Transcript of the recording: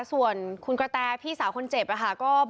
ส่วนคุณกระแตพี่สาวคนเจ็บค่ะ